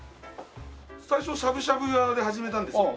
最初しゃぶしゃぶ屋で始めたんですけど。